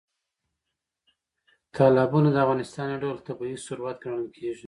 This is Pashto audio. تالابونه د افغانستان یو ډول طبیعي ثروت ګڼل کېږي.